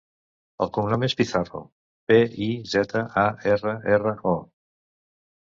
El cognom és Pizarro: pe, i, zeta, a, erra, erra, o.